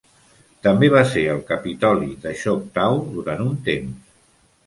També va ser el capitoli de Choctaw durant un temps.